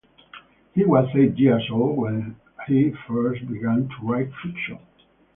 He was eight years old when he first began to write fiction.